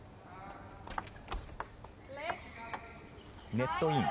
ネットイン。